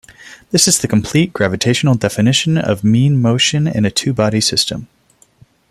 This is the complete gravitational definition of mean motion in a two-body system.